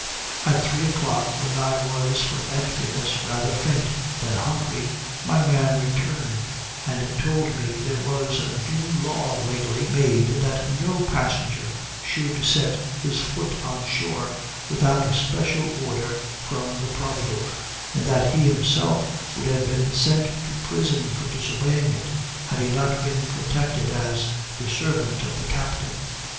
At three o'clock, when I was from emptiness, rather faint than hungry, my man returned, and told me there was a new law lately made that no passenger should set his foot on shore without a special order from the providore, and that he himself would have been sent to prison for disobeying it, had he not been protected as the servant of the captain.